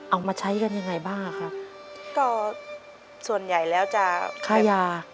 เอามาใช้กันยังไงบ้างอ่ะครับก็ส่วนใหญ่แล้วจะค่ายา